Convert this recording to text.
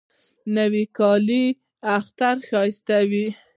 نوې کالی د اختر ښایست وي